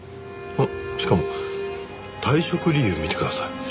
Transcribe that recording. あっしかも退職理由見てください。